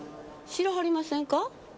知らはりませんか？